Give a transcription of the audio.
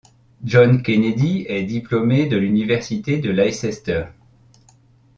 John Kennedy est diplômé de l'université de Leicester.